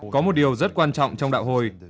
có một điều rất quan trọng trong đạo hồi